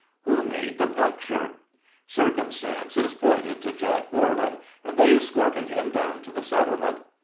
Who made the puncture? Circumstances pointed to Jack Borlan, and they escorted him down to the settlement.